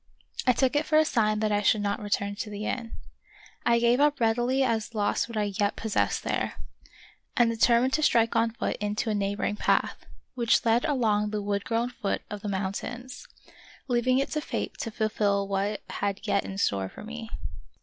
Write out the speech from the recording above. I took it for a sign that I should not return to the inn. I gave up read ily as lost what I yet possessed there, and de termined to strike on foot into a neighboring path, which led along the wood grown foot of the mountains, leaving it to fate to fulfill what it had yet in store for me.